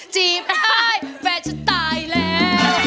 จีบได้แฟนฉันตายแล้ว